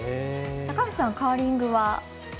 高橋さん、カーリングは？